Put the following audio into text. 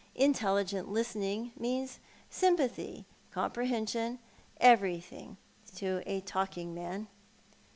Intelligent listening means sympathy, comprehension, everything, to a talking man.